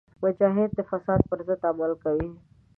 مجاهد د فساد پر ضد عمل کوي.